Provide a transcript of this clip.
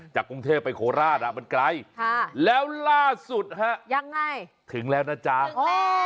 จากกรุงเทพไปโคราชอ่ะมันไกลแล้วล่าสุดฮะยังไงถึงแล้วนะจ๊ะถึงแล้ว